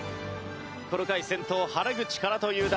この回先頭原口からという打順です。